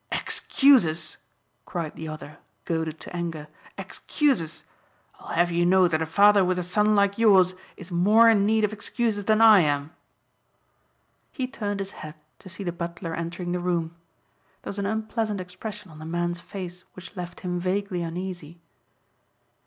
"Excuses!" cried the other goaded to anger. "Excuses! I'll have you know that a father with a son like yours is more in need of excuses than I am." He turned his head to see the butler entering the room. There was an unpleasant expression on the man's face which left him vaguely uneasy.